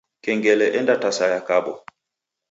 Kengele endatasa yakabwa.